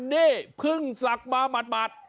เน่เพิ่งสักมาหมัด